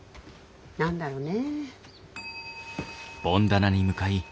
何だろうね。